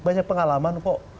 banyak pengalaman kok